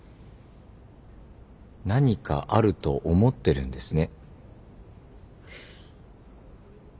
何かあると思ってるんですね。